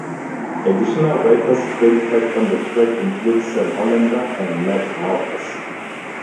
Additional writers credited on the track include Sam Hollander and Matt Malpass.